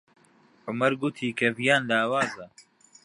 عومەر گوتی کە ڤیان لاوازە.